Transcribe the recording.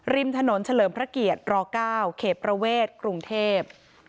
ริมถนนเฉลิมพระเกียรติร๙เขตประเวทกรุงเทพ